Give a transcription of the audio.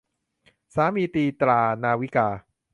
สามีตีตรา - นาวิกา